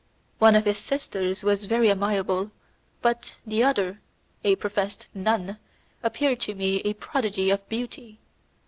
One of his sisters was very amiable, but the other, a professed nun, appeared to me a prodigy of beauty.